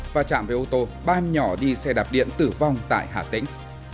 và chạm với ô tô ba em nhỏ đi xe đạp điện tử vong tại hà tĩnh